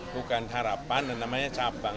bukan harapan dan namanya cabang